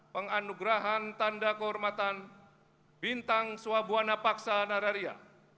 penganugerahan tanda kehormatan bintang swabwana paksa nararia